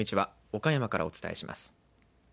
岡山からお伝えします。